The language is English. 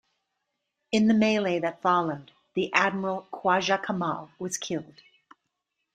In the melee that followed, the admiral Khwaja Kamal was killed.